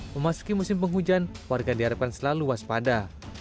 memasuki musim penghujan warga diharapkan selalu waspada